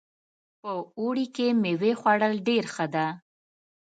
په اوړي کې میوې خوړل ډېر ښه ده